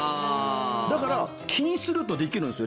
だから気にするとできるんですよ